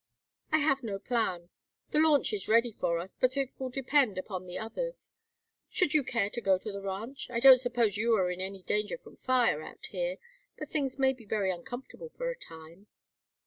"I have no plan. The launch is ready for us, but it will depend upon the others. Should you care to go to the ranch? I don't suppose you are in any danger from fire, out here, but things may be very uncomfortable for a time."